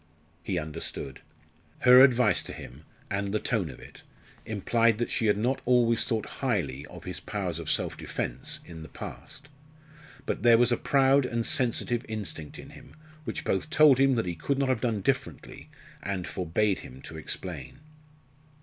He understood. Her advice to him, and the tone of it, implied that she had not always thought highly of his powers of self defence in the past. But there was a proud and sensitive instinct in him which both told him that he could not have done differently and forbade him to explain.